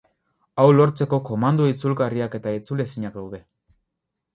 Hau lortzeko komando itzulgarriak eta itzulezinak daude.